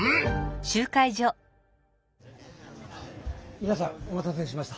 みなさんお待たせしました。